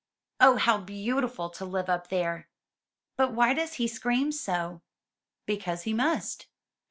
"Oh, how beautiful to live up there! But why does he scream so?" "Because he must."